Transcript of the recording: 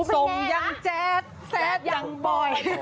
ส่งยังแจ๊ดแซดอย่างบ่อย